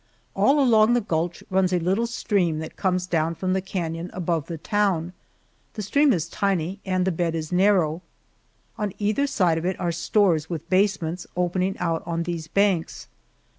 All along the gulch runs a little stream that comes from the canon above the town. The stream is tiny and the bed is narrow. On either side of it are stores with basements opening out on these banks.